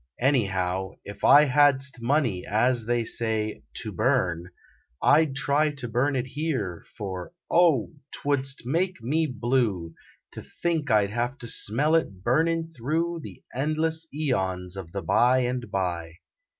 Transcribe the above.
Anyhow, if I Hadst money, as they say, " to burn," I d try To burn it here, for, oh! twouldst make me blue 39 SONNETS OF A BUDDING BARD To think I d have to smell it burnin through The endless eons of the by and by!